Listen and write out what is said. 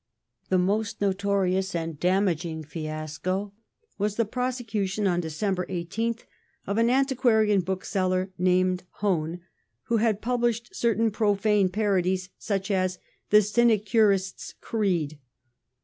The most notorious and most damaging fiasco was the prosecution (Dec. 18th) of an antiquarian bookseller named Hone, who had published certain profane parodies, such as The Sinecurisfs Greed.